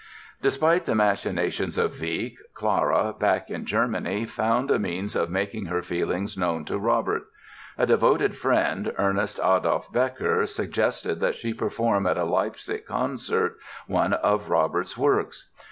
Despite the machinations of Wieck Clara, back in Germany, found a means of making her feelings known to Robert. A devoted friend, Ernst Adolf Becker, suggested that she perform at a Leipzig concert one of Robert's works.